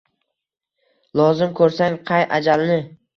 Lozim ko’rsang qay ajalni